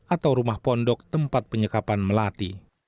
atau rumah pondok tempat penyekapan melati